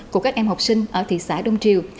của các em học sinh ở thị xã đông triều